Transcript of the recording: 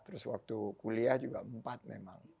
terus waktu kuliah juga empat memang